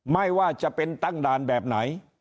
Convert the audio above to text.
ไม่ว่าจะเป็นตั้งด่านแบบไหน